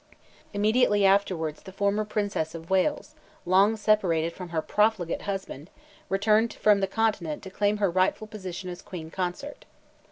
Immediately afterwards the former Princess of Wales, long separated from her profligate husband, returned from the Continent to claim her rightful position as Queen Consort.